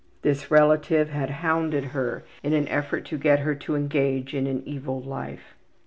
This relative had hounded her in an effort to get her to engage in an evil life.